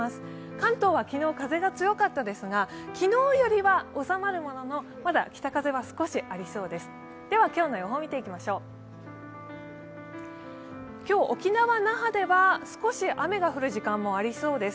関東は昨日、風が強かったですが昨日よりは収まるものの、まだ北風は少しありそうです。